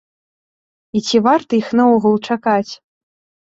І ці варта іх наогул чакаць?